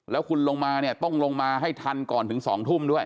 แล้วคุณลงมาเนี่ยต้องลงมาให้ทันก่อนถึง๒ทุ่มด้วย